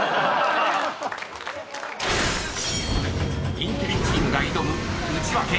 ［インテリチームが挑むウチワケ。